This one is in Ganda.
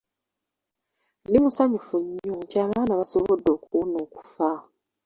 Ndi musanyufu nnyo nti abaana baasobodde okuwona okufa.